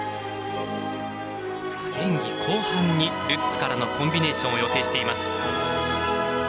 演技後半にルッツからのコンビネーションを予定しています。